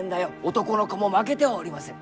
男の子も負けてはおりません。